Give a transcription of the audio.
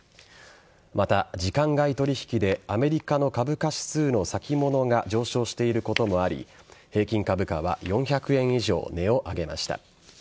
また、時間外取引でアメリカの株価指数の先物が上昇していることもあり平均株価は４００円以上値を上げました。